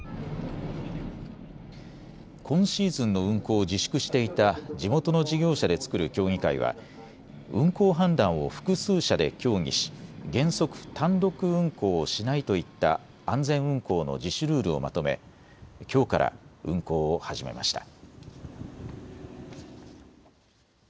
今シーズンの運航を自粛していた地元の事業者で作る協議会は運航判断を複数社で協議し原則、単独運航をしないといった安全運航の自主ルールをまとめきょうから運航を始めました。